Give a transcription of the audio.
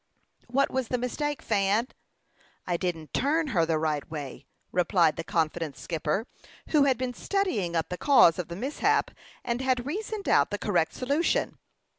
"What was the mistake, Fan?" "I didn't turn her the right way," replied the confident skipper, who had been studying up the cause of the mishap and had reasoned out the correct solution.